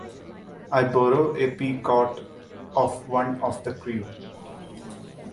I borrow a peacoat of one of the crew.